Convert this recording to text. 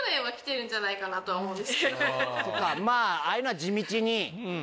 まぁああいうのは地道に。